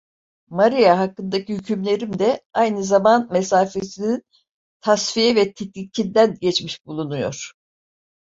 Maria hakkındaki hükümlerim de aynı zaman mesafesinin tasfiye ve tetkikinden geçmiş bulunuyor.